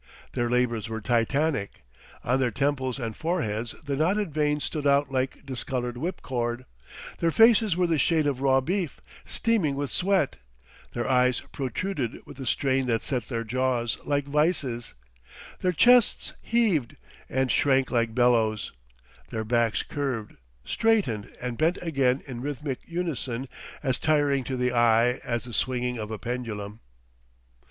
Their labors were titanic; on their temples and foreheads the knotted veins stood out like discolored whip cord; their faces were the shade of raw beef, steaming with sweat; their eyes protruded with the strain that set their jaws like vises; their chests heaved and shrank like bellows; their backs curved, straightened, and bent again in rhythmic unison as tiring to the eye as the swinging of a pendulum.